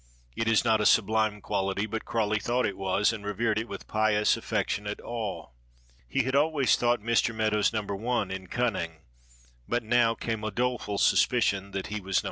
It is not a sublime quality, but Crawley thought it was, and revered it with pious, affectionate awe. He had always thought Mr. Meadows No. 1 in cunning, but now came a doleful suspicion that he was No.